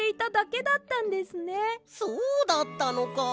そうだったのか。